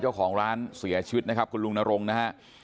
จังหวะนั้นได้ยินเสียงปืนรัวขึ้นหลายนัดเลย